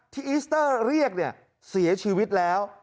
ที่อิสเตอร์เรียกเนี่ยเสียชีวิตแล้ว